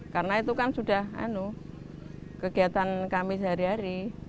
karena itu kan sudah kegiatan kami sehari hari